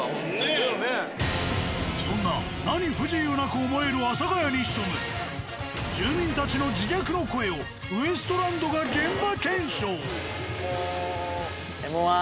そんな何不自由なく思える阿佐ヶ谷に潜む住民たちの自虐の声をウエストランドが現場検証。